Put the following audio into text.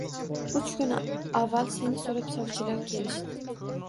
Uch kun avval seni so`rab, sovchilar kelishdi